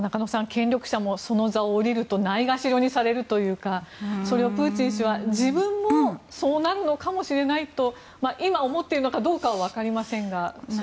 権力者もその座を降りるとないがしろにされるというかそれをプーチン氏は自分もそうなるのかもしれないと今、思っているのかどうかは分かりませんが。